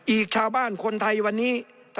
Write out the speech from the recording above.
อีกชาวบ้านคนไทยวันนี้